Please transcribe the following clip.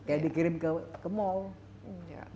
yang dikirim ke mall